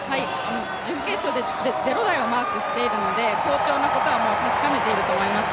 準決勝で０台をマークしているので好調なことはもう確かめていると思います。